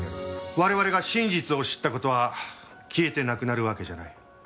我々が真実を知った事は消えてなくなるわけじゃない。